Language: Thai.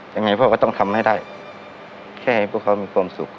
ยังไงพ่อก็ต้องทำให้ได้แค่ให้พวกเขามีความสุข